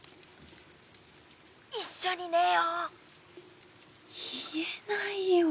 「“一緒に寝よう”」言えないよ。